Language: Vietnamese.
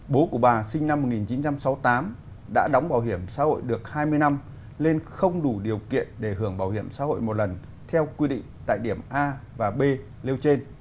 bố của bà sinh năm một nghìn chín trăm sáu mươi tám đã đóng bảo hiểm xã hội được hai mươi năm nên không đủ điều kiện để hưởng bảo hiểm xã hội một lần theo quy định tại điểm a và b liêu trên